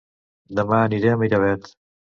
Dema aniré a Miravet